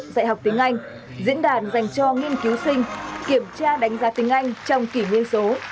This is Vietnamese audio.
dạy học tiếng anh diễn đàn dành cho nghiên cứu sinh kiểm tra đánh giá tiếng anh trong kỷ nguyên số